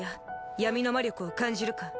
闇の魔力を感じるか？